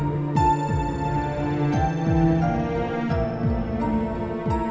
untuk seorang perempuan